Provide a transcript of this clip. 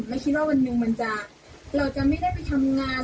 ไม่คิดว่าวันหนึ่งมันจะเราจะไม่ได้ไปทำงาน